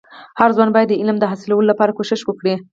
هرځوان باید د علم د حاصلولو لپاره کوښښ وکړي.